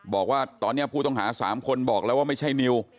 บอกว่าตอนนี้ผู้ต้องหา๓คนบอกแล้วว่าไม่ใช่นิว